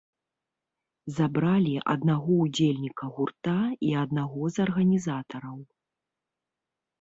Забралі аднаго ўдзельніка гурта і аднаго з арганізатараў.